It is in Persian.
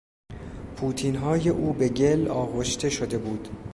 پوتینهای او به گل آغشته شده بود.